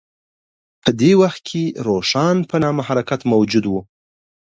په دې وخت کې روښان په نامه حرکت موجود و.